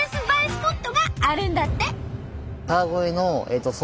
スポットがあるんだって。